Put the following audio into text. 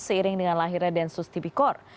seiring dengan lahirnya densus tipikor